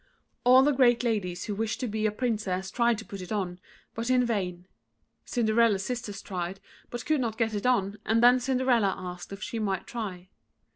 All the great ladies who wished to be a Princess tried to put it on, but in vain. Cinderella's sisters tried, but could not get it on, and then Cinderella asked if she might try.